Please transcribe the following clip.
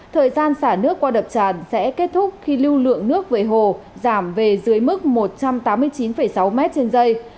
thời gian xả nước qua đập tràn sẽ kết thúc khi lưu lượng nước về hồ giảm về dưới mức một trăm tám mươi chín sáu m trên dây